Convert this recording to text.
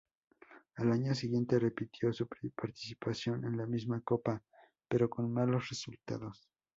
Al año siguiente repitió su participación en la misma Copa, pero con malos resultados.